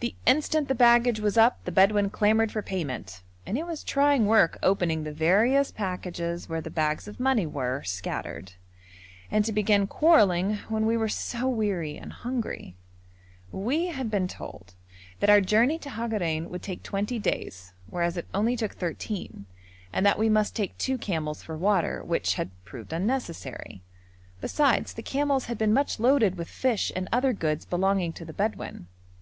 The instant the baggage was up the Bedouin clamoured for payment, and it was trying work opening the various packages where the bags of money were scattered, and to begin quarrelling when we were so weary and hungry. We had been told that our journey to Hagarein would take twenty days, whereas it only took thirteen, and that we must take two camels for water, which had proved unnecessary; besides the camels had been much loaded with fish and other goods belonging to the Bedouin.